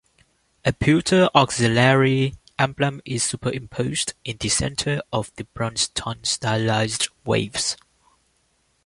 A pewter auxiliary emblem is superimposed in the center of the bronze-tone stylized waves.